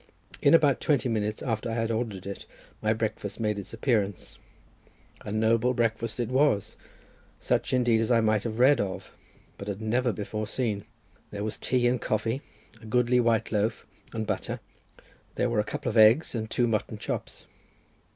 In about twenty minutes after I had ordered it, my breakfast made its appearance. A noble breakfast it was; such, indeed, as I might have read of, but had never before seen. There was tea and coffee, a goodly white loaf and butter; there were a couple of eggs and two mutton chops.